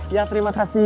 iya terima kasih